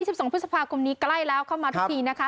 สิบสองพฤษภาคมนี้ใกล้แล้วเข้ามาทุกทีนะคะ